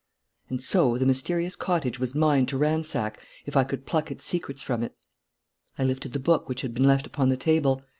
And so the mysterious cottage was mine to ransack if I could pluck its secrets from it. I lifted the book which had been left upon the table.